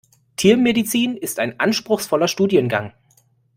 Tiermedizin ist ein anspruchsvoller Studiengang.